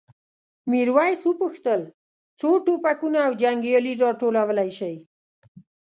میرويس وپوښتل څو ټوپکونه او جنګیالي راټولولی شئ؟